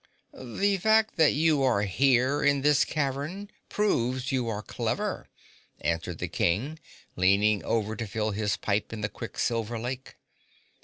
"The fact that you are here in this cavern proves you are clever," answered the King, leaning over to fill his pipe in the quicksilver lake.